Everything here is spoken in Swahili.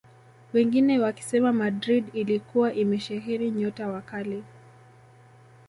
Wengine wakisema Madrid ilikuwa imesheheni nyota wa kali